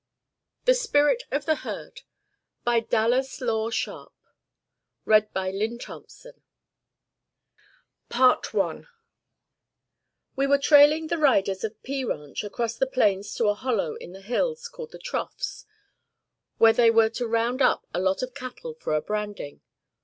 THE SPIRIT OF THE HERD BY DALLAS LORE SHARP I We were trailing the 'riders' of P Ranch across the plains to a hollow in the hills called the 'Troughs,' where they were to round up a lot of cattle for a branding.